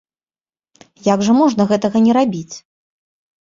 Як жа можна гэтага не рабіць!